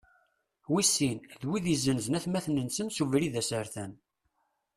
Wis sin, d wid izenzen atmaten-nsen s ubrid asertan.